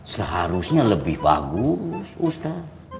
seharusnya lebih bagus ustadz